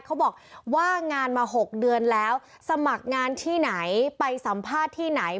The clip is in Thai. เขาบอกว่างานมา๖เดือนแล้วสมัครงานที่ไหนไปสัมภาษณ์ที่ไหน